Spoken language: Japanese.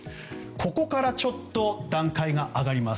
ここからちょっと段階が上がります。